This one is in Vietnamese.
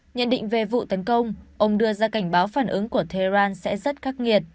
nhận định về vụ tấn công ông đưa ra cảnh báo phản ứng của tehran sẽ rất khắc nghiệt